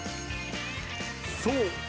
［そう。